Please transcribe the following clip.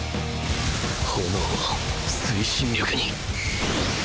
炎を推進力に